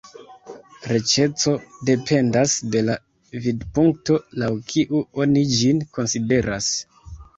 Riĉeco dependas de la vidpunkto, laŭ kiu oni ĝin konsideras.